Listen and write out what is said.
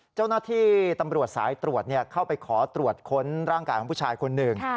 เจ้าหน้าที่ตำรวจสายตรวจเข้าไปขอตรวจค้นร่างกายของผู้ชายคนหนึ่ง